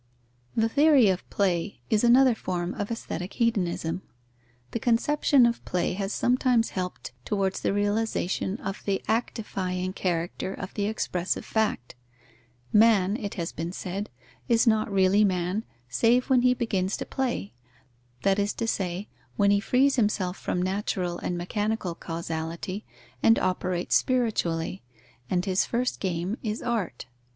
_ The theory of play is another form of aesthetic hedonism. The conception of play has sometimes helped towards the realization of the actifying character of the expressive fact: man (it has been said) is not really man, save when he begins to play; that is to say, when he frees himself from natural and mechanical causality and operates spiritually; and his first game is art.